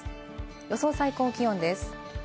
予想最高気温です。